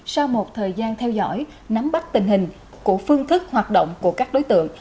sau một thời gian theo dõi nắm bắt tình hình của phương thức hoạt động của các đối tượng